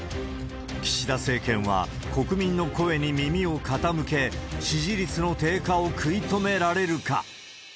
岸田政権は国民の声に耳を傾け、支持率の低下を食い止められるか。